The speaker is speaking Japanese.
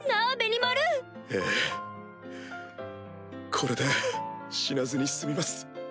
これで死なずに済みます。